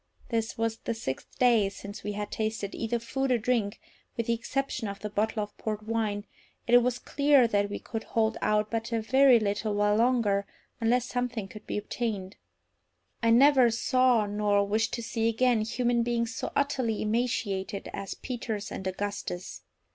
This was the sixth day since we had tasted either food or drink, with the exception of the bottle of port wine, and it was clear that we could hold out but a very little while longer unless something could be obtained. I never saw before, nor wish to see again, human beings so utterly emaciated as Peters and Augustus.